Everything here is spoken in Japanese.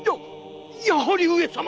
やはり上様！